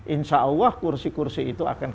insya allah kursi kursi itu akan